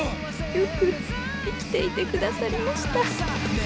よく生きていてくださりました。